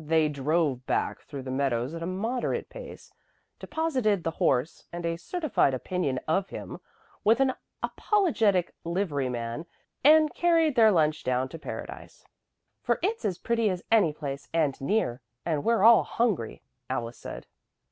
They drove back through the meadows at a moderate pace, deposited the horse and a certified opinion of him with an apologetic liveryman, and carried their lunch down to Paradise. "For it's as pretty as any place and near, and we're all hungry," Alice said.